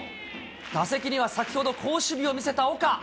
打席には先ほど、好守備を見せた岡。